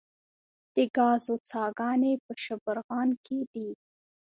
د ګازو څاګانې په شبرغان کې دي